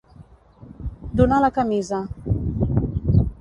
Donar la camisa.